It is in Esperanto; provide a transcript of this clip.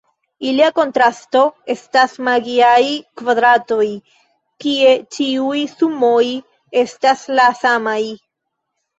Ilia kontrasto estas magiaj kvadratoj kie ĉiuj sumoj estas la samaj.